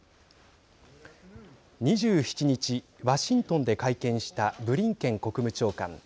２７日、ワシントンで会見したブリンケン国務長官。